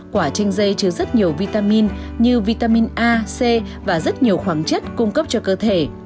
quả chanh dây chứa rất nhiều vitamin như vitamin a c và rất nhiều khoáng chất cung cấp cho cơ thể